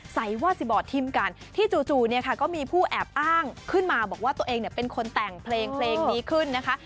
ว่าสิบอร์ดทิมกันที่จู่เนี่ยค่ะก็มีผู้แอบอ้างขึ้นมาบอกว่าตัวเองเนี่ยเป็นคนแต่งเพลงเพลงนี้ขึ้นนะคะ